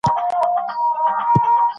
ژبې د افغانستان د سیلګرۍ یوه برخه ده.